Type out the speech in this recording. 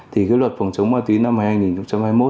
thì cái luật phòng chống ma túy năm hai nghìn hai mươi một